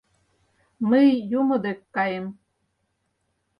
Мый юмо дек каем...